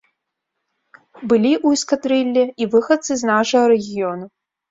Былі ў эскадрыллі і выхадцы з нашага рэгіёну.